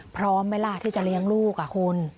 พร้อมไหมล่ะที่จะเลี้ยงลูกคุณ